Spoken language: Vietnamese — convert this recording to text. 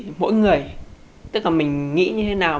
vẽ là tùy mỗi người tức là mình nghĩ như thế nào